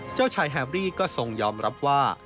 เจ้าชายแฮมรี่ก็ทรงยอมรับว่า